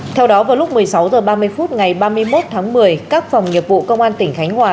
theo đó vào lúc một mươi sáu h ba mươi phút ngày ba mươi một tháng một mươi các phòng nghiệp vụ công an tỉnh khánh hòa